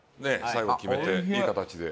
最後決めていい形で。